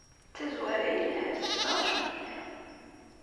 D tazwara yelhan, neɣ acu tenniḍ?